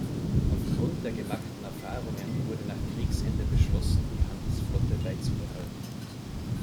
Auf Grund der gemachten Erfahrungen wurde nach Kriegsende beschlossen, die Handelsflotte beizubehalten.